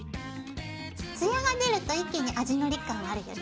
つやが出ると一気に味のり感あるよね。